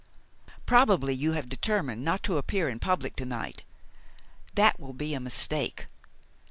Probably you have determined not to appear in public to night. That will be a mistake.